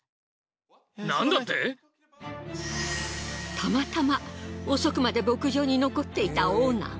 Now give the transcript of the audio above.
たまたま遅くまで牧場に残っていたオーナー。